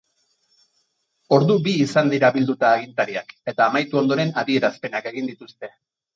Ordu bi izan dira bilduta agintariak eta amaitu ondoren adierazpenak egin dituzte.